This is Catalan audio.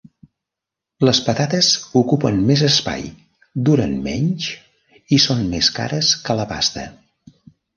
Les patates ocupen més espai, duran menys i són més cares que la pasta.